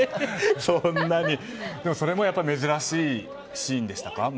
でも、それも珍しいシーンでしたか。